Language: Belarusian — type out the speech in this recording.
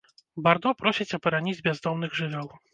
Бардо просіць абараніць бяздомных жывёл.